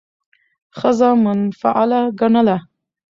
ښځه منفعله ګڼله،